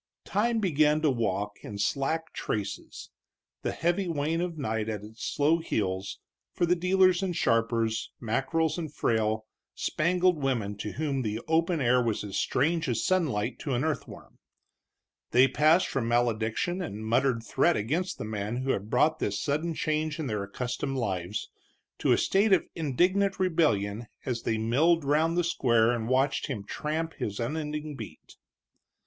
Time began to walk in slack traces, the heavy wain of night at its slow heels, for the dealers and sharpers, mackerels and frail, spangled women to whom the open air was as strange as sunlight to an earthworm. They passed from malediction and muttered threat against the man who had brought this sudden change in their accustomed lives, to a state of indignant rebellion as they milled round the square and watched him tramp his unending beat.